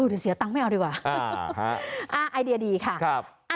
เดี๋ยวเสียตังค์ไม่เอาดีกว่าไอเดียดีค่ะครับ